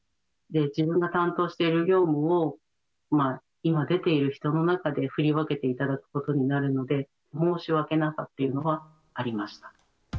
自分が担当している業務を、今、出ている人の中で振り分けていただくことになるので、申し訳なさっていうのはありました。